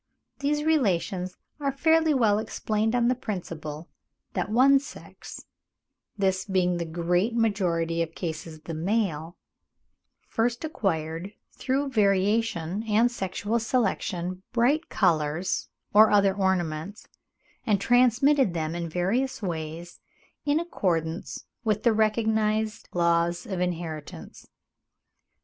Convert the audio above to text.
These relations are fairly well explained on the principle that one sex—this being in the great majority of cases the male—first acquired through variation and sexual selection bright colours or other ornaments, and transmitted them in various ways, in accordance with the recognised laws of inheritance.